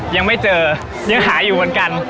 ยังไม่เจอยังหาอยู่เหมือนกัน